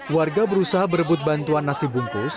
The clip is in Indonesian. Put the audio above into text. warga berusaha berebut bantuan nasi bungkus